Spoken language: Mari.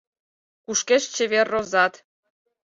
Кушкеш чевер розат!..